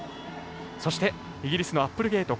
そしてイギリスのアップルゲイト。